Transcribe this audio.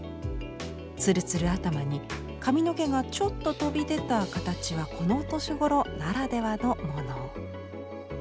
つるつる頭に髪の毛がちょっと飛び出た形はこの年頃ならではのもの。